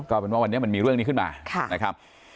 ก็เป็นว่าวันนี้มันมีเรื่องนี้ขึ้นมานะครับ